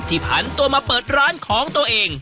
ผันตัวมาเปิดร้านของตัวเอง